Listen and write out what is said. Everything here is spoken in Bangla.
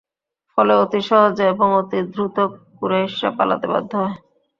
ফলে অতি সহজে এবং অতি দ্রুত কুরাইশরা পালাতে বাধ্য হয়।